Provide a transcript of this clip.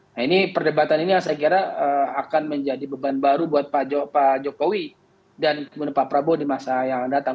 nah ini perdebatan ini yang saya kira akan menjadi beban baru buat pak jokowi dan pak prabowo di masa yang akan datang